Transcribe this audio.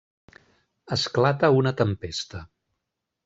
Esclata una tempesta.